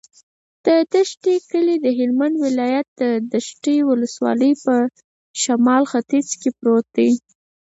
د دشټي کلی د هلمند ولایت، دشټي ولسوالي په شمال ختیځ کې پروت دی.